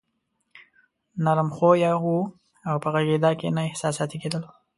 نرم خويه وو او په غږېدا کې نه احساساتي کېدلو.